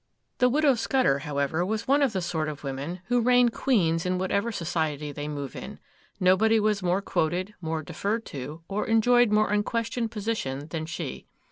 The Widow Scudder, however, was one of the sort of women who reign queens in whatever society they move in; nobody was more quoted, more deferred to, or enjoyed more unquestioned position than she.